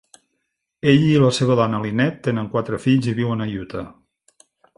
Ell y la seva dona Lynette tenen quatre fills i viuen a Utah.